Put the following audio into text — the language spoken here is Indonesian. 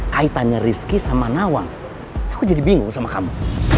kaitannya rizky sama nawang aku jadi bingung sama kamu